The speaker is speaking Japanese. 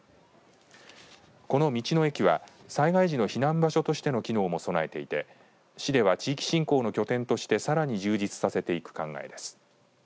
この道の駅は災害時の避難場所としての機能も備えていて市では地域振興の拠点としてさらに充実させていく考えです。